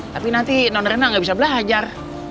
tapi nanti non rina gak bisa belajar